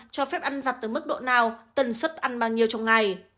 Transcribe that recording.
cho phép ăn vặt tới mức độ nào tầm suất ăn bao nhiêu trong ngày